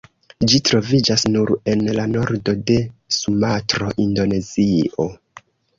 Ĝi troviĝas nur en la nordo de Sumatro, Indonezio.